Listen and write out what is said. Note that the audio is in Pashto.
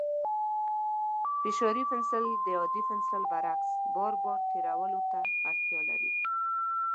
فشاري پنسل د عادي پنسل برعکس، بار بار تېرولو ته اړتیا نه لري.